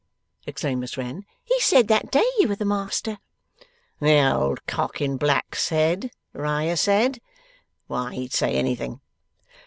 exclaimed Miss Wren. 'He said, that day, you were the master!' 'The old cock in black said? Riah said? Why, he'd say anything.